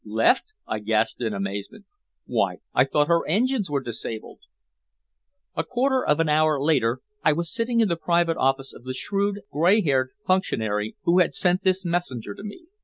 "Left!" I gasped in amazement "Why, I thought her engines were disabled!" A quarter of an hour later I was sitting in the private office of the shrewd, gray haired functionary who had sent this messenger to me.